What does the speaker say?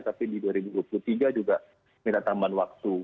tapi di dua ribu dua puluh tiga juga minta tambahan waktu